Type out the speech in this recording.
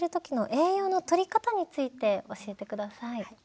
栄養のとり方について教えて下さい。